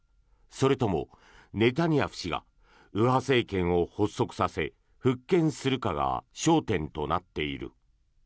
それともネタニヤフ氏が右派政権を発足させ復権するかが焦点となっている。